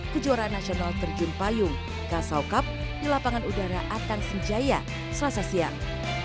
kejuaraan nasional terjun payung kasaukap di lapangan udara atang senjaya selasa siang